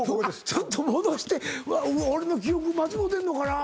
ちょっと戻してうわっ俺の記憶間違うてんのかな？